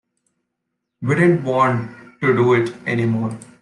We didn't want to do it any more.